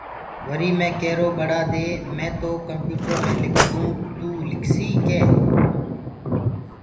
وريٚ مي ڪيرو ٻڙآ دي مي تو ڪمپيوٽرو مي لکدونٚ تو لکسيٚ ڪي